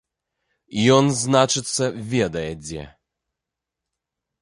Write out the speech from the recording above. Ён, значыцца, ведае дзе.